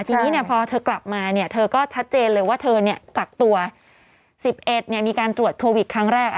ทีนี้พอเธอกลับมาเนี่ยเธอก็ชัดเจนเลยว่าเธอกักตัว๑๑มีการตรวจโควิดครั้งแรก